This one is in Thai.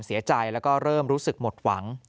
เสียใจแล้วก็เริ่มรู้สึกหมดหวัง